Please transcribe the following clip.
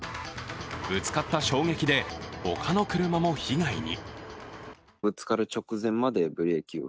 ぶつかった衝撃で、ほかの車も被害に。